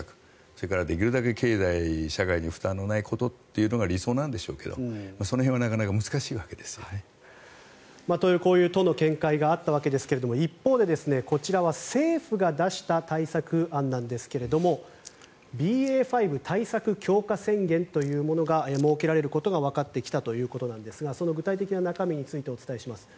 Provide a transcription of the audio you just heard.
それからできるだけ経済、社会に負担のないことというのが理想なんですがその辺は難しいわけですね。という都の見解があったわけですが一方でこちらは政府が出した対策案ですがＢＡ．５対策強化宣言というものが設けられることがわかってきたんですがその具体的な中身についてお伝えします。